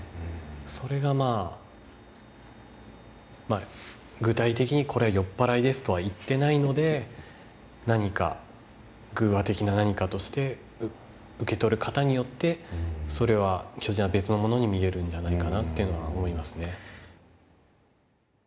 それがまぁ具体的にこれ酔っ払いですとは言ってないので何か寓話的な何かとして受け取る方によって巨人は別のものに見えるんじゃないかなっていうのは思いますね。